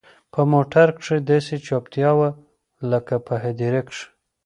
په موټر کښې داسې چوپتيا وه لكه په هديره کښې.